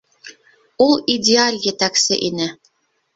Ул идеаль етәксе ине!..